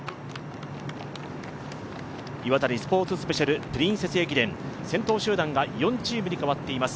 Ｉｗａｔａｎｉスポーツスペシャルプリンセス駅伝、先頭集団が４チームに変わっています。